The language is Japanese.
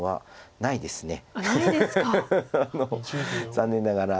残念ながら。